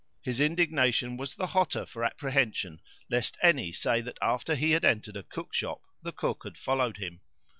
His indignation was the hotter for apprehension lest any say that after he had entered a cook shop the cook had followed him.